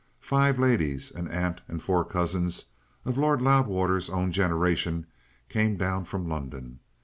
Five ladies, an aunt and four cousins, of Lord Loudwater's own generation, came down from London.